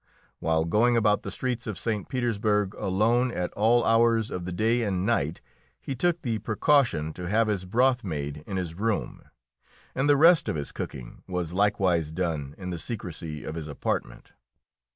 While going about the streets of St. Petersburg alone at all hours of the day and night, he took the precaution to have his broth made in his room, and the rest of his cooking was likewise done in the secrecy of his apartment.